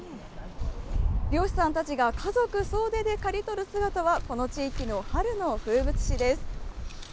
漁師さんたちが家族総出で刈り取る姿は、この地域の春の風物詩です。